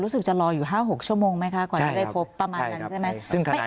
จะรออยู่๕๖ชั่วโมงไหมคะก่อนจะได้พบประมาณนั้นใช่ไหม